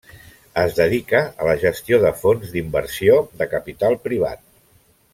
Es dedica a la gestió de fons d'inversió de capital privat.